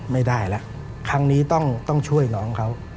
ไม่ได้แล้วครั้งนี้ต้องช่วยน้องเขา